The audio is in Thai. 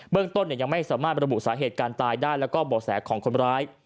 เรื่องต้นยังไม่สามารถระบุสาเหตุการตายได้แล้วก็บ่อแสของคนร้าย